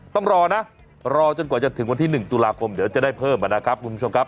ต้องรอนะรอจนกว่าจะถึงวันที่๑ตุลาคมเดี๋ยวจะได้เพิ่มนะครับคุณผู้ชมครับ